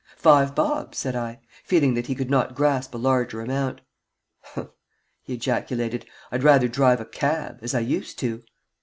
"Five bob," said I, feeling that he could not grasp a larger amount. "Humph!" he ejaculated. "I'd rather drive a cab as I used to."